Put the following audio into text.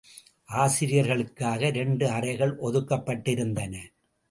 ஆசிரியர்களுக்காக இரண்டு அறைகள் ஒதுக்கப்பட்டிருந்தன.